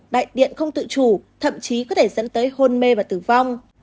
đại tiện không tự chủ thậm chí có thể dẫn tới hôn mê và tử vong